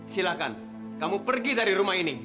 silahkan kamu pergi dari rumah ini